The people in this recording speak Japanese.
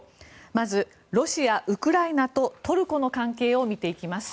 まずはロシア、ウクライナとトルコの関係を見ていきます。